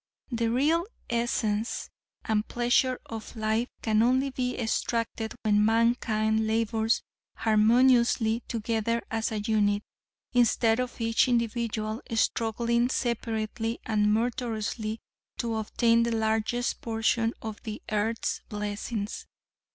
The real essence and pleasure of life can only be extracted when mankind labors harmoniously together as a unit, instead of each individual struggling separately and murderously to obtain the largest portion of the earth's blessings.